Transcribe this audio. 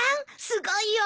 すごいよ！